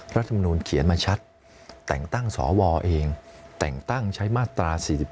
รัฐมนูลเขียนมาชัดแต่งตั้งสวเองแต่งตั้งใช้มาตรา๔๔